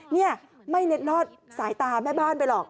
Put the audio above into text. นี่ไม่เล็ดลอดสายตาแม่บ้านไปหรอก